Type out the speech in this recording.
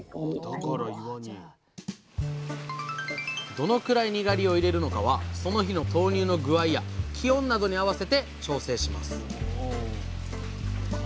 どのくらいにがりを入れるのかはその日の豆乳の具合や気温などに合わせて調整します